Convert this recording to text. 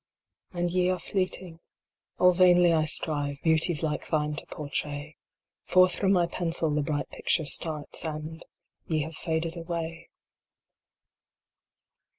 And ye are fleeting. All vainly I strive Beauties like thine to portray ; Forth from my pencil the bright picture starts, And ye have faded away.